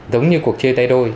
giống như cuộc chơi tay đôi